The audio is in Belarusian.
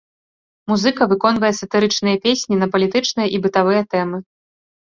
Музыка выконвае сатырычныя песні на палітычныя і бытавыя тэмы.